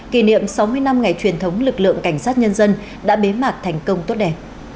kỷ niệm sáu mươi năm ngày truyền thống lực lượng cảnh sát nhân dân đã bế mạc thành công tốt đẹp